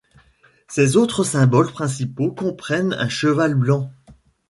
Ses autres symboles principaux comprennent un cheval blanc.